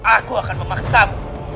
aku akan memaksamu